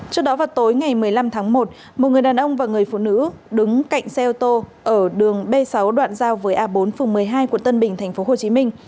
trước đó vào tối ngày một mươi năm tháng một một người đàn ông và người phụ nữ đứng cạnh xe ô tô ở đường b sáu đoạn giao với a bốn phường một mươi hai quận tân bình tp hcm